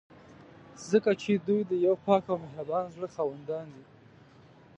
ځکه چې دوی د یو پاک او مهربانه زړه خاوندان دي.